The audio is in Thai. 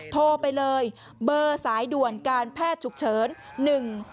โทรไปเลยเบอร์สายด่วนการแพทย์ฉุกเฉิน๑๖